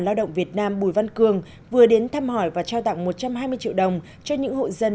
lao động việt nam bùi văn cường vừa đến thăm hỏi và trao tặng một trăm hai mươi triệu đồng cho những hội dân